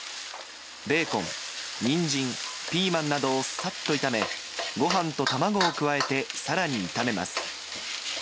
ベーコン、ニンジン、ピーマンなどをさっと炒め、ごはんと卵を加えてさらに炒めます。